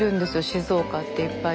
静岡っていっぱい。